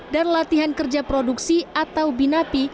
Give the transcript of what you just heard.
dan latihan kerja produksi atau binapi